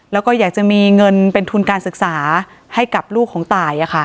แล้วก็อยากจะมีเงินเป็นทุนการศึกษาให้กับลูกของตาย